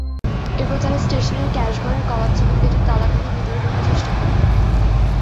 এরপর তারা স্টেশনের ক্যাশঘরের কলাপসিবল গেটের তালা ভেঙে ভেতরে ঢোকার চেষ্টা করে।